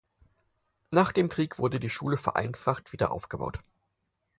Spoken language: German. Nach dem Krieg wurde die Schule vereinfacht wiederaufgebaut.